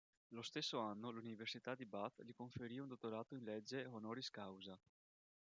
Lo stesso anno l'Università di Bath gli conferì un dottorato in legge "honoris causa".